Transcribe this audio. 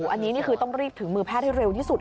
อันนี้นี่คือต้องรีบถึงมือแพทย์ให้เร็วที่สุด